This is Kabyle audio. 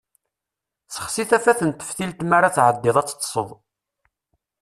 Sexsi tafat n teftilt mi ara tɛeddiḍ ad teṭṭseḍ.